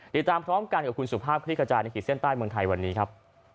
ติดตามพร้อมกันกับคุณสุภาพคลิกขจายในขีดเส้นใต้เมืองไทยวันนี้ครับ